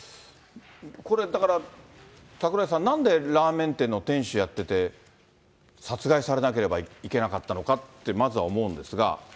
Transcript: これ、だから、櫻井さん、なんでラーメン店の店主やってて、殺害されなければいけなかったのかとまずは思うんですが。